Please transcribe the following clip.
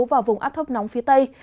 vào vùng áp thấp nóng phía tây